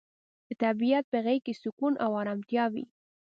د طبیعت په غیږ کې سکون او ارامتیا وي.